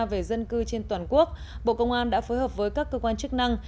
về dân cư trên toàn quốc bộ công an đã phối hợp với các cơ quan chức năng